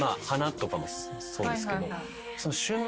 花とかもそうですけど。